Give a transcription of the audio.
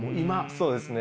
そうですね。